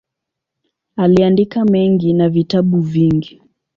Aliandika mengi na vitabu vingi.